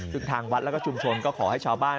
ซึ่งทางวัดแล้วก็ชุมชนก็ขอให้ชาวบ้าน